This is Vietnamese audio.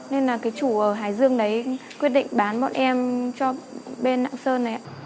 nên là cái chủ ở hải dương đấy quyết định bán bọn em cho bên lạng sơn này ạ